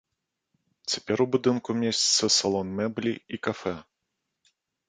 Цяпер у будынку месціцца салон мэблі і кафэ.